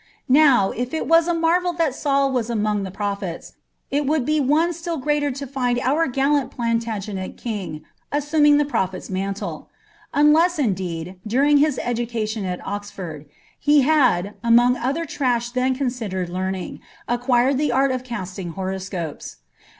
Now, if il was a marvel that Saul was among the prophets, it woolil b« one still greater to lind our gallant Planutgeuet king assumirig ibe nv phet's mantle; unless, indenl, dunng his education at Oxford, he ml. among other trash then considered learning, acquired the an of eastilf horoscopes.